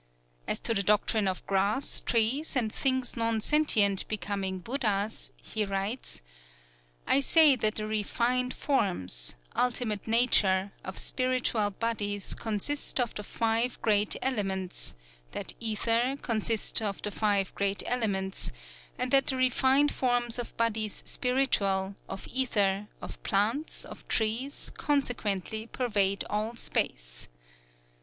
"As to the doctrine of grass, trees, and things non sentient becoming Buddhas" he writes, "I say that the refined forms [ultimate nature] of spiritual bodies consist of the Five Great Elements; that Ether consists of the Five Great Elements; and that the refined forms of bodies spiritual, of ether, of plants, of trees, consequently pervade all space.